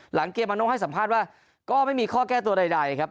หลังเกมมาโน่ให้สัมภาษณ์ว่าก็ไม่มีข้อแก้ตัวใดครับ